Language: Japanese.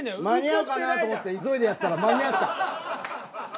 間に合うかなと思って急いでやったら間に合った。